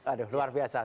aduh luar biasa